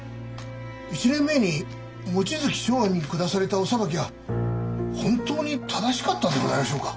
１年前に望月松庵に下されたお裁きは本当に正しかったんでございましょうか？